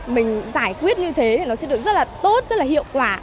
mình giải quyết như thế thì nó sẽ được rất là tốt rất là hiệu quả